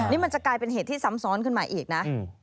นี่มันจะกลายเป็นเหตุที่ซ้ำซ้อนขึ้นมาอีกนะ